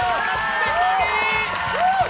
ペコリ！